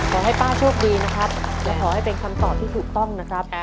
ขอให้ป้าโชคดีนะครับและขอให้เป็นคำตอบที่ถูกต้องนะครับ